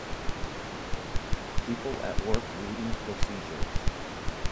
People at work reading procedures.